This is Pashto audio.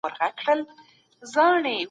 ژوند وکړئ.